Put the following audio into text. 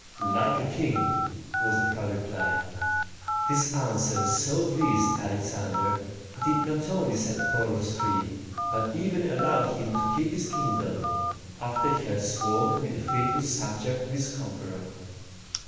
"Like a king!" was the proud reply. This answer so pleased Alexander, that he not only set Porus free, but even allowed him to keep his kingdom, after he had sworn to be the faithful subject of his conqueror.